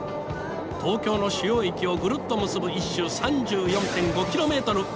東京の主要駅をぐるっと結ぶ１周３４．５キロメートル。